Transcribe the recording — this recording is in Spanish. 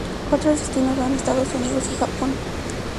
Otros destinos son Estados Unidos y Japón.